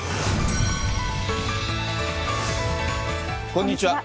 こんにちは。